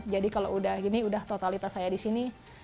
jadi kalau sudah gini sudah totalitas saya di sini